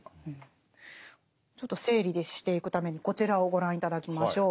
ちょっと整理していくためにこちらをご覧頂きましょう。